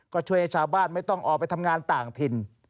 ก็ช่วยให้ชาวบ้านไม่ต้องออกไปทำงานต่างถิ่น